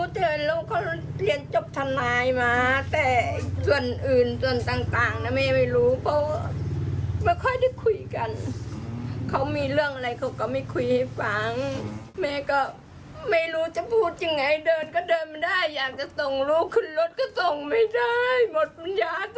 ถ้าเดินมาได้อยากจะส่งลูกขึ้นรถก็ส่งไม่ได้หมดวิญญาณตลอดเกิน